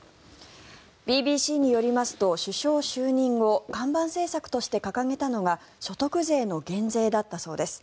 ＢＢＣによりますと首相就任後看板政策として掲げたのが所得税の減税だったそうです。